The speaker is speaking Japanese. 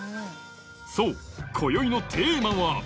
そう、こよいのテーマは。